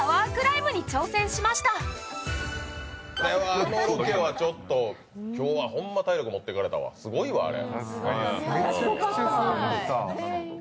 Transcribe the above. あのロケはちょっと、ほんま体力持ってかれたわ、すごいわ、あれ。